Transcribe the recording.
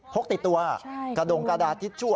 โพกติดตัวกระดงกระดาธิจชุวร์